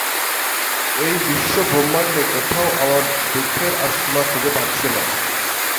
তাই বিশ্বব্রহ্মাণ্ডে কোথাও আমার দুঃখের আর সীমা খুঁজে পাচ্ছি নে।